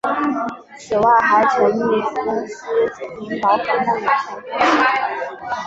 此外还成立子公司精灵宝可梦有限公司。